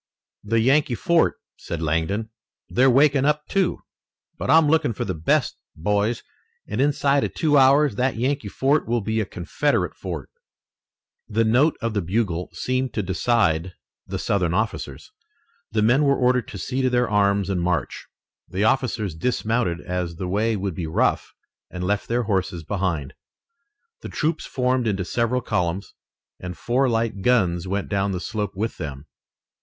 "The Yankee fort," said Langdon. "They're waking up, too. But I'm looking for the best, boys, and inside of two hours that Yankee fort will be a Confederate fort." The note of the bugle seemed to decide the Southern officers. The men were ordered to see to their arms and march. The officers dismounted as the way would be rough and left their horses behind. The troops formed into several columns and four light guns went down the slope with them.